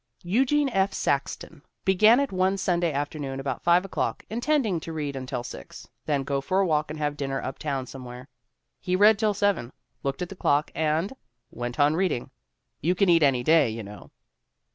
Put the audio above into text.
Eugene F. Saxton began it one Sunday afternoon about 5 o'clock, intending to read until six, then go for a walk and have dinner uptown somewhere. He read till seven, looked at the clock, and went on read ing. You can eat any day, you know.